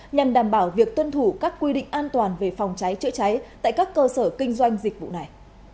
nhằm đảm bảo việc tuân thủ các quy định an toàn về phòng cháy chữa cháy tại các cơ sở kinh doanh dịch vụ này